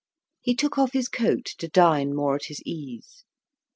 He took off his coat to dine more at his ease.